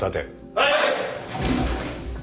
はい。